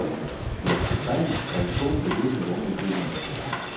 Першы тайм прайшоў пры вельмі роўнай гульні.